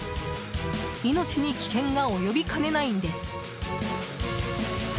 命に危険が及びかねないんです。